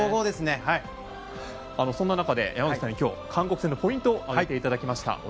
そんな中で山口さんに今日韓国戦のポイントを書いていただきました。